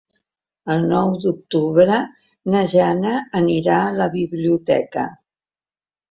El nou d'octubre na Jana anirà a la biblioteca.